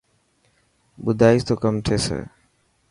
ٻڌائيس تو ڪم ٿيي.